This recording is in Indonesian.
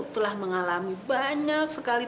telah mengalami banyak sekali